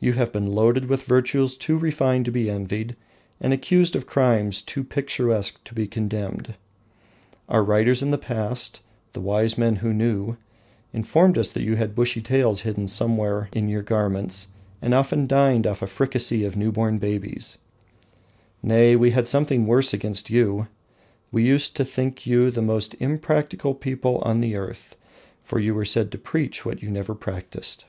You have been loaded with virtues too refined to be envied, and accused of crimes too picturesque to be condemned. Our writers in the past the wise men who knew informed us that you had bushy tails somewhere hidden in your garments, and often dined off a fricassee of newborn babes! Nay, we had something worse against you: we used to think you the most impracticable people on the earth, for you were said to preach what you never practiced.